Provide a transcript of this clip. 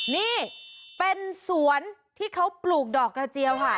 นี่เป็นสวนที่เขาปลูกดอกกระเจียวค่ะ